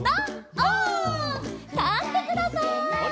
オ！たってください！